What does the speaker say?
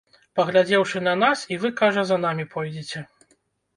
Паглядзеўшы на нас, і вы, кажа, за намі пойдзеце.